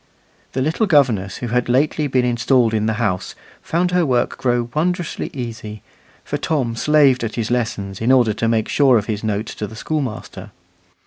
The little governess who had lately been installed in the house found her work grow wondrously easy, for Tom slaved at his lessons, in order to make sure of his note to the schoolmaster.